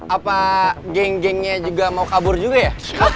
apa geng gengnya juga mau kabur juga ya